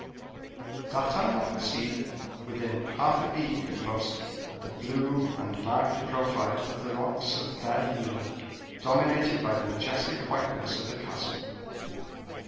D'Artagnan perceived, within half a league at most, the blue and marked profile of the rocks of Belle Isle, dominated by the majestic whiteness of the castle.